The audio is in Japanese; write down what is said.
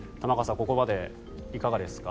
ここまでいかがですか？